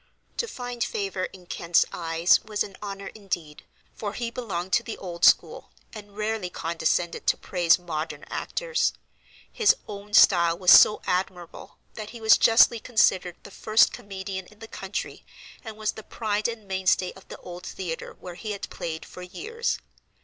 To find favor in Kent's eyes was an honor indeed, for he belonged to the old school, and rarely condescended to praise modern actors. His own style was so admirable that he was justly considered the first comedian in the country, and was the pride and mainstay of the old theatre where he had played for years.